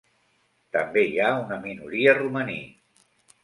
També hi ha una minoria romaní.